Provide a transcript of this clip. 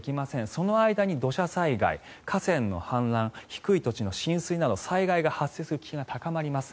その間に土砂災害、河川の氾濫低い土地の浸水など災害が発生する危険が高まります。